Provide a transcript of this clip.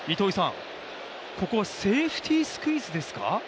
ここはセーフティースクイズですか？